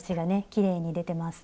きれいに出てます。